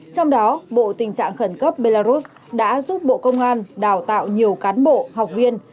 trong đó bộ tình trạng khẩn cấp belarus đã giúp bộ công an đào tạo nhiều cán bộ học viên